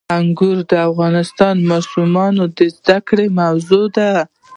انګور د افغان ماشومانو د زده کړې موضوع ده.